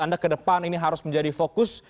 anda kedepan ini harus menjadi fokus